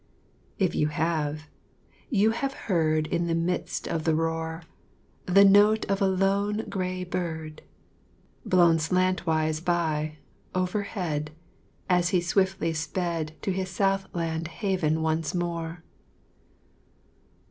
If you have, you have heard In the midst of the roar, The note of a lone gray bird, Blown slantwise by overhead As he swiftly sped To his south land haven once more